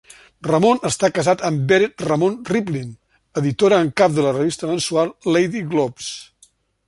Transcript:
Ramon està casat amb Vered Ramon Rivlin, editora en cap de la revista mensual 'Lady Globes'.